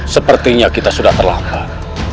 sepertinya kita sudah terlambat